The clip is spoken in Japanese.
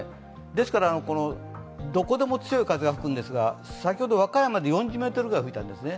ですから、このどこでも強い風が吹くんですが、先ほど和歌山で４０ｍぐらい吹いたんですね。